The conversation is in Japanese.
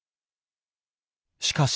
しかし。